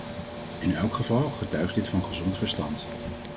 In elk geval getuigt dit van gezond verstand.